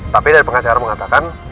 tapi dari pengacara mengatakan